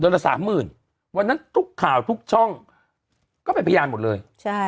ละสามหมื่นวันนั้นทุกข่าวทุกช่องก็เป็นพยานหมดเลยใช่